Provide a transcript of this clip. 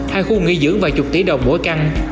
hai khu nghỉ dưỡng vài chục tỷ đồng mỗi căn